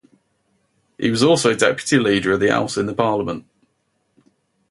He was also deputy leader of the House in the parliament.